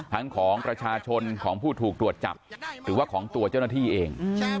ของประชาชนของผู้ถูกตรวจจับหรือว่าของตัวเจ้าหน้าที่เอง